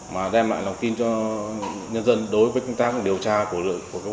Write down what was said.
mà đem lại lòng tin cho nhân dân đối với công tác và điều tra của cơ quan trách điều tra